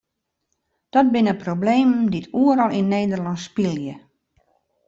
Dat binne problemen dy't oeral yn Nederlân spylje.